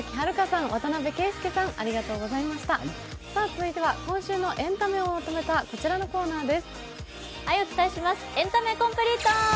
続いては今週のエンタメをまとめた、こちらのコーナーです。